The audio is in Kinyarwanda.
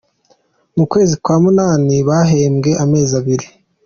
Mu kwezi kwa munani bahembwe amezi abiri